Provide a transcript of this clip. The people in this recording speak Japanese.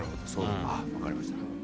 あっ分かりました。